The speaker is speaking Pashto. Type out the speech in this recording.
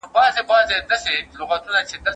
زه تکړښت کړي دي؟!